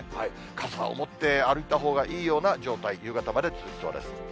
傘を持って歩いたほうがいいような状態、夕方まで続きそうです。